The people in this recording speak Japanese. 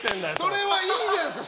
それはいいじゃないですか！